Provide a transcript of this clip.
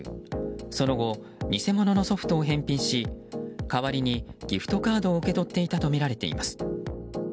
その後、偽物のソフトを返品し代わりにギフトカードを受け取っていたとみられています。